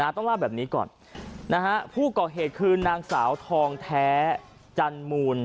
ต้องเล่าแบบนี้ก่อนผู้ก่อเหตุคือนางสาวทองแท้จันมูล